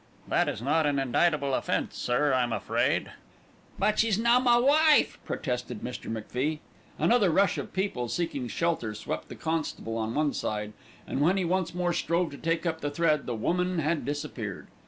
"That is not an indictable offence, sir, I'm afraid." "But she's na ma wife," protested Mr. MacFie. Another rush of people seeking shelter swept the constable on one side, and when he once more strove to take up the thread, the woman had disappeared.